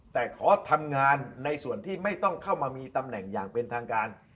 แต่ขอทำงานในส่วนที่ไม่ต้องเข้ามามีตำแหน่งอย่างเป็นทางการ